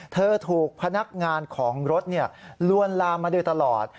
เธอถูกพนักงานของรถลวนลามมาโดยตลอด